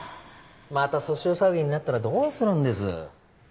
また訴訟騒ぎになったらどうするんです？